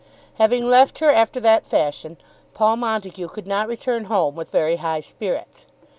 Having left her after that fashion Paul Montague could not return home with very high spirits.